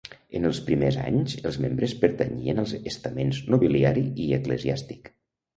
En els primers anys, els membres pertanyien als estaments nobiliari i eclesiàstic.